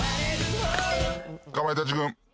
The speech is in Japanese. かまいたち軍。さ。